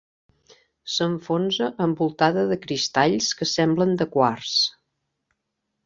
S'enfonsa envoltada de cristalls que semblen de quars.